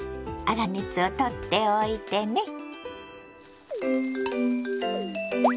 粗熱を取っておいてね。